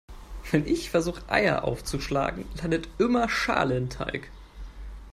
Wenn ich versuche Eier aufzuschlagen, landet immer Schale im Teig.